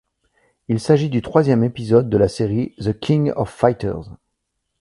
Il s'agit du troisième épisode de la série The King of Fighters.